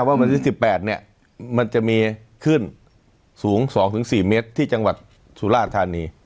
ว่าวันที่สิบแปดเนี่ยมันจะมีขึ้นสูงสองถึงสี่เมตรที่จังหวัดสุราชธานี